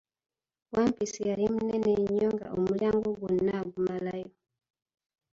Wampisi yali munene nnyo nga omulyango gwonna agumalayo.